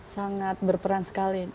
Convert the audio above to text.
sangat berperan sekali